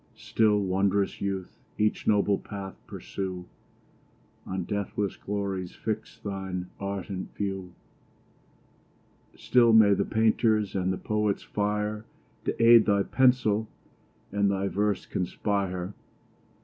Still, wond'rous youth! each noble path pursue, On deathless glories fix thine ardent view: Still may the painter's and the poet's fire To aid thy pencil, and thy verse conspire!